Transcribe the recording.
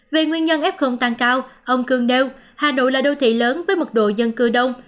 về nguyên nhân f tăng cao ông cương đều hà nội là đô thị lớn với mật độ dân cư đông